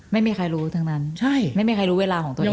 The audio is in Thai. ไม่มีใครรู้ทั้งนั้นไม่มีใครรู้เวลาของตัวเอง